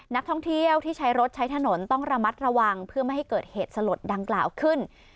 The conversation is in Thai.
นักท่องเที่ยวที่ใช้รถใช้ถนนต้องระมัดระวังเพื่อไม่ให้เกิดเหตุสลดดังกล่าวขึ้น